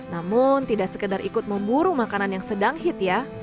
namun tidak sekedar ikut memburu makanan yang sedang hit ya